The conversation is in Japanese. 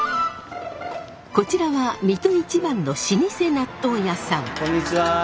こちらは水戸一番の老舗納豆屋さん。